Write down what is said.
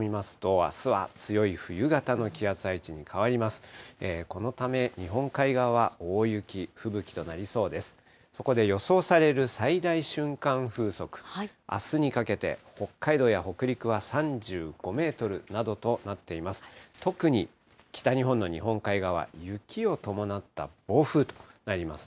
あすにかけて、北海道や北陸は３５メートルなどとなっています。